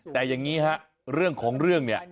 แต่อย่างนี้เรื่องของเรื่อง